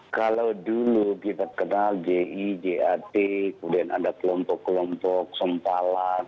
kalau dulu kita kenal ji jat kemudian ada kelompok kelompok sempalan